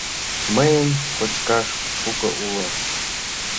Мыйын кочкаш шуко уло.